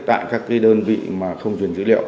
tại các đơn vị mà không truyền dữ liệu